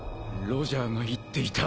ロジャーが言っていた。